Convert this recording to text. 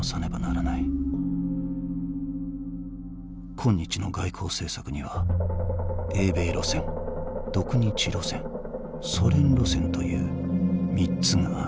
「今日の外交政策には英米路線独日路線ソ連路線という３つがある」。